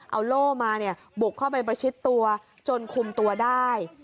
เอาโล่มาเนี่ยบุกเข้าไปประชิดตัวจนคุมตัวได้